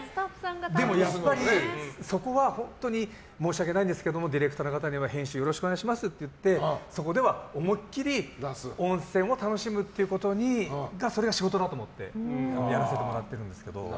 そこは本当に申し訳ないんですけどディレクターの方には編集よろしくお願いしますって言ってそこでは思いっきり温泉を楽しむってことにそれが仕事だと思ってやらせてもらってるんですけど。